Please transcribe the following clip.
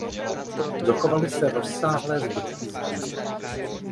Dochovaly se rozsáhlé zbytky zdí.